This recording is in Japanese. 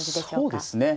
そうですね。